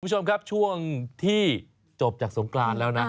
คุณผู้ชมครับช่วงที่จบจากสงกรานแล้วนะ